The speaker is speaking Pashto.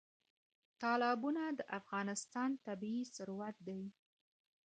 تالابونه د افغانستان طبعي ثروت دی.